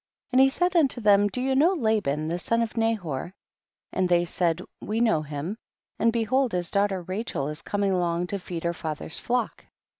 6. And he said unto them, do you know Laban the son of Nahor ? and they said we know him and behold his daughter Rachel is coming along to feed her father's flock.